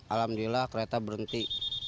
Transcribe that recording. alhamdulillah kereta berhenti